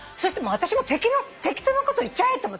私も適当なこと言っちゃえと思って。